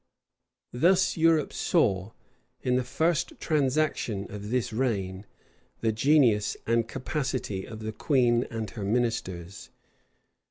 Thus Europe saw, in the first transaction of this reign, the genius and capacity of the queen and her ministers.